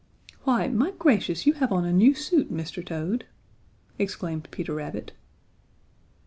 "Why, my gracious, you have on a new suit, Mr. Toad!" exclaimed Peter Rabbit.